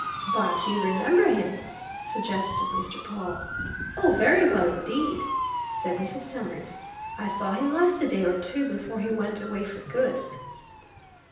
"But you remember him?" suggested Mr. Pawle. "Oh, very well indeed!" said Mrs. Summers. "I saw him last a day or two before he went away for good."